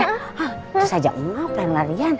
terus aja umap lain larian